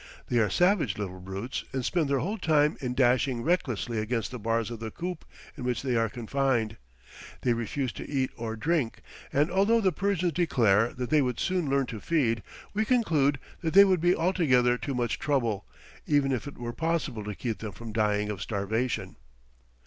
They are savage little brutes, and spend their whole time in dashing recklessly against the bars of the coop in which they are confined. They refuse to eat or drink, and although the Persians declare that they would soon learn to feed, we conclude that they would be altogether too much trouble, even if it were possible to keep them from dying of starvation.